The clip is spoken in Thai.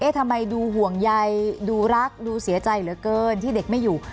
ทำไมดูห่วงใยดูรักดูเสียใจเหลือเกินที่เด็กไม่อยู่